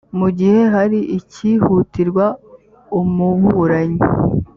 mu gihe hari icyihutirwa umuburanyi